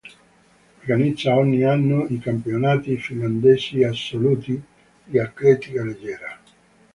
Organizza ogni anno i campionati finlandesi assoluti di atletica leggera.